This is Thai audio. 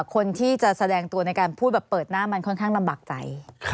คนที่จะแสดงตัวในการพูดแบบเปิดหน้ามันค่อนข้างลำบากใจ